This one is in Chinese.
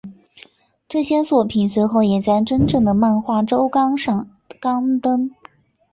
这些作品随后也在真正的漫画周刊上刊登。